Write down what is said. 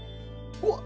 うわっ！